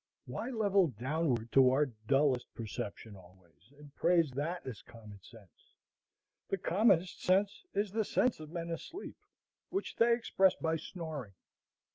Why level downward to our dullest perception always, and praise that as common sense? The commonest sense is the sense of men asleep, which they express by snoring.